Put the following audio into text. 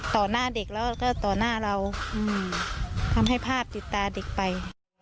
หน้าเด็กแล้วก็ต่อหน้าเราทำให้ภาพติดตาเด็กไป